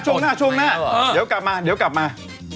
ช่วงหน้าช่วงหน้าเดี๋ยวกลับมาเดี๋ยวกลับมา